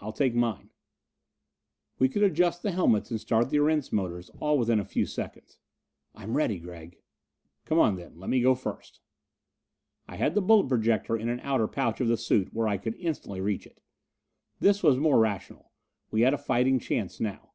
I'll take mine." We could adjust the helmets and start the Erentz motors all within a few seconds. "I'm ready, Gregg." "Come on, then. Let me go first." I had the bullet projector in an outer pouch of the suit where I could instantly reach it. This was more rational: we had a fighting chance now.